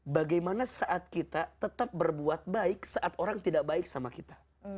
bagaimana saat kita tetap berbuat baik saat orang tidak baik sama kita